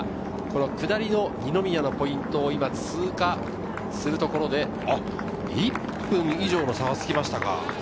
下りの二宮のポイントを通過するところで１分以上の差がつきましたか？